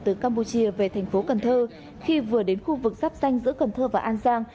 từ campuchia về thành phố cần thơ khi vừa đến khu vực sắp xanh giữa cần thơ và an giang